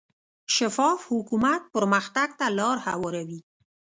شفاف حکومت پرمختګ ته لار هواروي.